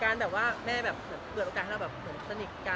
การแบบว่าแม่แบบเปิดโอกาสให้เราสนุกสนิทกัน